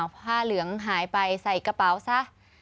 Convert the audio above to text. ผ้าเหลืองหายไปใส่กระเป๋าซะ